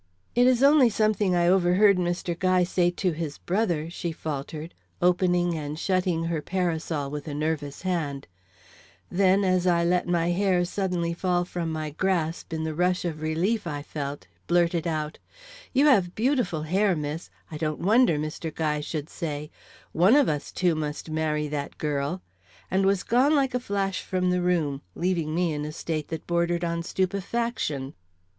"It is only something I overheard Mr. Guy say to his brother," she faltered, opening and shutting her parasol with a nervous hand; then, as I let my hair suddenly fall from my grasp, in the rush of relief I felt, blurted out: "You have beautiful hair, miss; I don't wonder Mr. Guy should say, 'One of us two must marry that girl,'" and was gone like a flash from the room, leaving me in a state that bordered on stupefaction.